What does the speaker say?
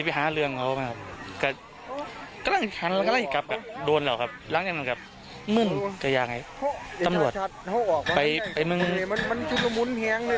มึ่งจะยังไงตำรวจไปมึง